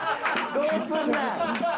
どうすんねん。